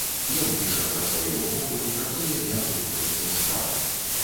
Ён піша пра свае ўмовы, пра тое, як рухаецца справа.